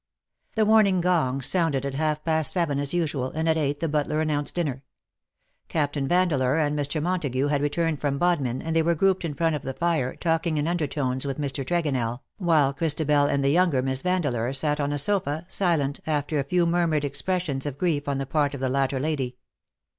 ^^ The warniDg gong sounded at half past seven as usual, and at eight the butler announced dinner. Captain Vandeleur and Mr. Montagu had returned from Bodmin, and they were grouped in front of the fire talking in undertones with Mr. Tregonell, while Christabel and the younger Miss Vandeleur sat on a sofa, silent, after a few murmured expressions of grief on the part of the latter lady.